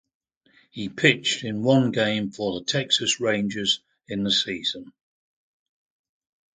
He pitched in one game for the Texas Rangers in the season.